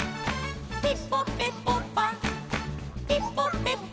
「ピポペポパピポペポパ」